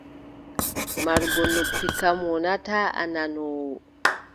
Marugo noppi kam, wonataa a nanoowo.